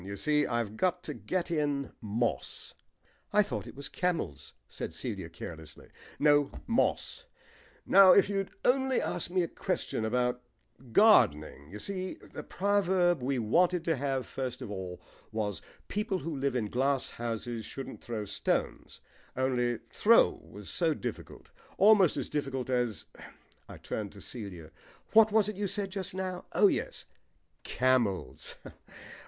You see, I've got to get in 'moss.'" "I thought it was 'camels,'" said Celia carelessly. "No, 'moss.' Now if you'd only asked me a question about gardening You see, the proverb we wanted to have first of all was 'People who live in glass houses shouldn't throw stones,' only 'throw' was so difficult. Almost as difficult as " I turned to Celia. "What was it you said just now? Oh yes, camels.